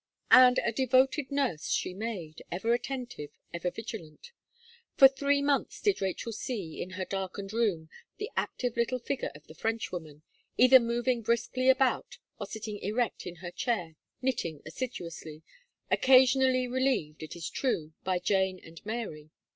And a devoted nurse she made, ever attentive, ever vigilant. For three months did Rachel see, in her darkened room, the active little figure of the Frenchwoman, either moving briskly about, or sitting erect in her chair, knitting assiduously, occasionally relieved, it is true, by Jane and Mary.